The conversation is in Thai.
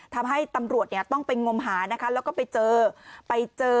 ทำให้ตำรวจต้องไปงมหานะคะแล้วก็ไปเจอไปเจอ